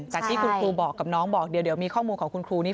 จากที่คุณครูบอกกับน้องบอกเดี๋ยวมีข้อมูลของคุณครูนี้